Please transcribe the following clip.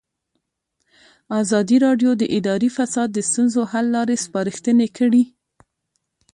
ازادي راډیو د اداري فساد د ستونزو حل لارې سپارښتنې کړي.